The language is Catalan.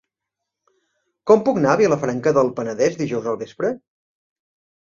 Com puc anar a Vilafranca del Penedès dijous al vespre?